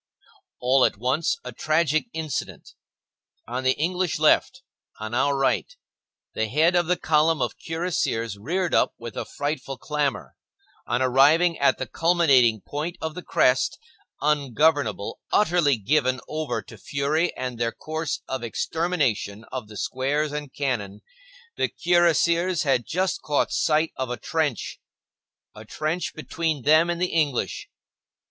All at once, a tragic incident; on the English left, on our right, the head of the column of cuirassiers reared up with a frightful clamor. On arriving at the culminating point of the crest, ungovernable, utterly given over to fury and their course of extermination of the squares and cannon, the cuirassiers had just caught sight of a trench,—a trench between them and the English.